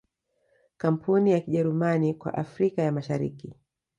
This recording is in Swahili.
Kampuni ya Kijerumani kwa Afrika ya Mashariki